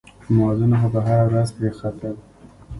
مالونه خو به هره ورځ پرې ختل.